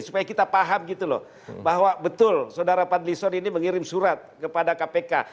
supaya kita paham gitu loh bahwa betul saudara fadlison ini mengirim surat kepada kpk